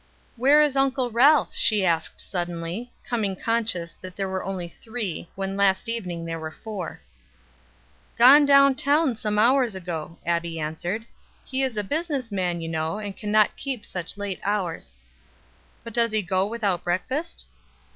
"Where is Uncle Ralph?" she asked suddenly, becoming conscious that there were only three, when last evening there were four. "Gone down town some hours ago," Abbie answered. "He is a business man, you know, and can not keep such late hours." "But does he go without breakfast?"